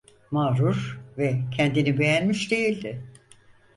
Mağrur ve kendini beğenmiş değildi.